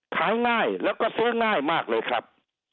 ขายง่ายแล้วก็ซื้อง่ายมากเลยครับ